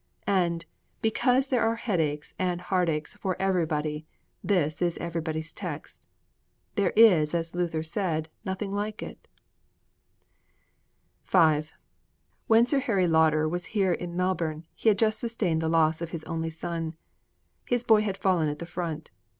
And, because there are headaches and heartaches for everybody, this is Everybody's Text. There is, as Luther said, nothing like it. V When Sir Harry Lauder was here in Melbourne, he had just sustained the loss of his only son. His boy had fallen at the front.